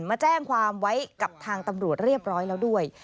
มาแจ้งความไว้กับทางตำรวจเรียบร้อยแล้วด้วย